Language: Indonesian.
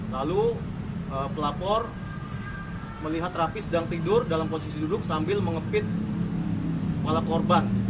lalu pelapor melihat rapi sedang tidur dalam posisi duduk sambil mengepit kepala korban